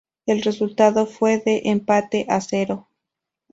El resultado fue de empate a cero.